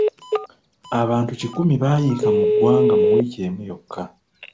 Abantu kikumi bayiika mu ggwanga mu wiiki emu yokka.